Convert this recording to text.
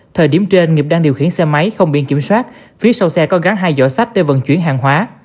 thời điểm trên nghiệp đang điều khiển xe máy không biển kiểm soát phía sau xe có gắn hai giỏ sách để vận chuyển hàng hóa